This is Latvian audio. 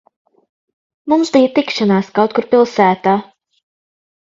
Mums bija tikšanās kaut kur pilsētā.